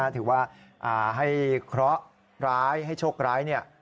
ถือว่าให้เคราะห์ร้ายให้โชคร้าย